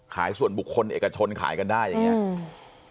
ขายส่วนบุคคลเอกชนขายกันได้อย่างนี้